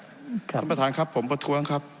ท่านประธานครับผมประท้วงครับ